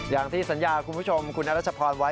อย่างที่สัญญาคุณผู้ชมคุณอรัชพรไว้